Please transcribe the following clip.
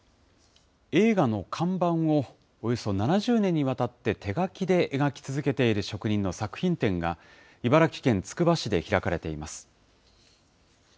映画の看板をおよそ７０年にわたって手書きで描き続けている職人の作品展が、茨城県つくば市で開かれています。